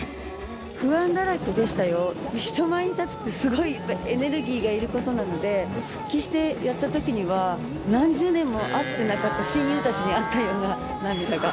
人前に立つってすごいエネルギーがいる事なので復帰してやった時には何十年も会っていなかった親友たちに会ったような。